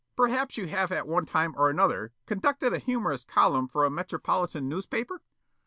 Perhaps you have at one time or another conducted a humorous column for a Metropolitan newspaper?"